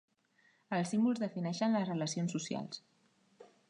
Els símbols defineixen les relacions socials.